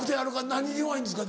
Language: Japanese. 何に弱いんですか？